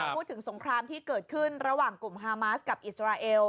สงครามที่เกิดขึ้นระหว่างกลุ่มฮามาสกับอิสราเอล